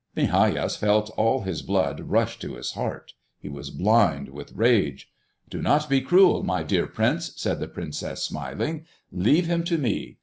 Migajas felt all his blood rush to his heart. He was blind with rage. "Do not be cruel, my dear prince," said the princess, smiling; "leave him to me.